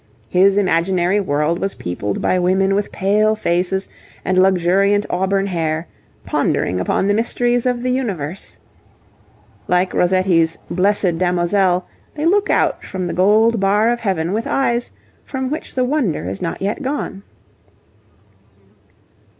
His imaginary world was peopled by women with pale faces and luxuriant auburn hair, pondering upon the mysteries of the universe. Like Rossetti's 'Blessed Damozel,' they look out from the gold bar of heaven with eyes from which the wonder is not yet gone.